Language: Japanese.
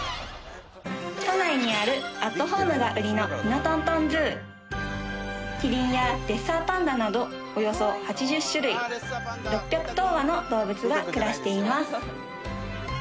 都内にあるアットホームがウリのヒノトントンＺＯＯキリンやレッサーパンダなどおよそ８０種類６００頭羽の動物が暮らしています